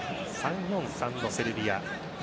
３−４−３のセルビア。